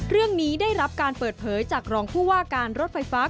ได้รับการเปิดเผยจากรองผู้ว่าการรถไฟฟ้า